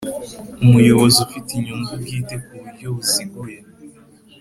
Umuyobozi ufite inyungu bwite ku buryo buziguye